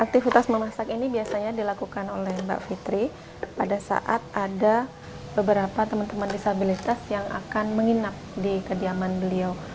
aktivitas memasak ini biasanya dilakukan oleh mbak fitri pada saat ada beberapa teman teman disabilitas yang akan menginap di kediaman beliau